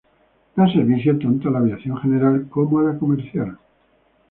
Da servicio, tanto a la aviación general como a la comercial.